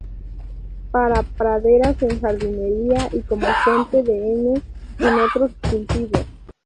Para praderas en jardinería y como fuente de N en otros cultivos.